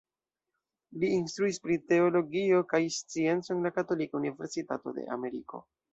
Li instruis pri teologio kaj sciencoj en la Katolika Universitato de Ameriko.